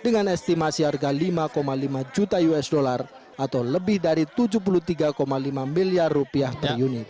dengan estimasi harga lima lima juta usd atau lebih dari tujuh puluh tiga lima miliar rupiah per unit